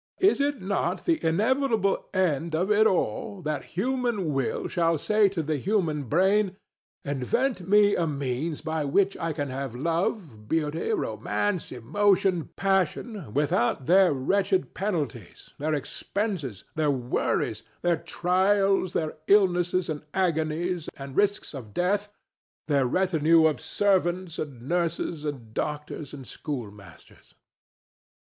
Is it not the inevitable end of it all that the human will shall say to the human brain: Invent me a means by which I can have love, beauty, romance, emotion, passion without their wretched penalties, their expenses, their worries, their trials, their illnesses and agonies and risks of death, their retinue of servants and nurses and doctors and schoolmasters.